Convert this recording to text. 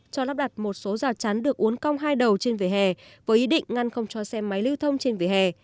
cho lắp đặt một số rào chắn được uốn cong hai đầu trên vỉa hè với ý định ngăn không cho xe máy lưu thông trên vỉa hè